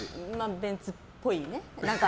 ベンツっぽい。